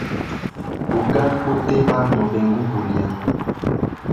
Bugali boteba, no benga ubulya.